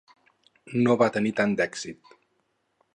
No va tenir tant d'èxit.